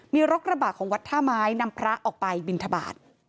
มีรถกระบะของวัดท่าไม้นำพระออกไปบินทบาท